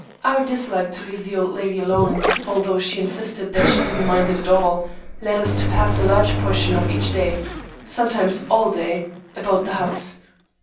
Our dislike to leave the old lady alone, although she insisted that she didn't mind it at all, led us to pass a large portion of each day, sometimes all day, about the house.